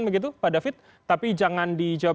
begitu pak david tapi jangan dijawab